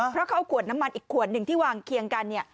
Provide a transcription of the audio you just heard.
เพราะเขาเอาขวดน้ำมันอีกขวดหนึ่งที่วางเคียงกันเนี่ย